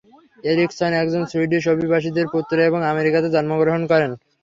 Ericsson, একজন Swedish অভিবাসীদের পুত্র এবং আমেরিকাতে জন্মগ্রহণ করেন।